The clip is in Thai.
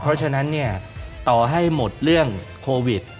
เพราะฉะนั้นเนี่ยต่อให้หมดเรื่องโควิด